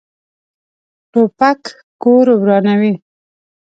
توپک کور ورانوي.